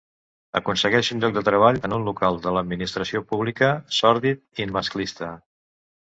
Aconsegueix un lloc de treball en un local de l'Administració pública, sòrdid i masclista.